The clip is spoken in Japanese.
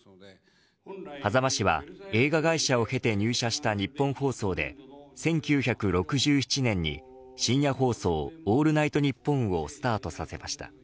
羽佐間氏は映画会社を経て入社したニッポン放送で１９６７年に深夜放送、オールナイトニッポンをスタートさせました。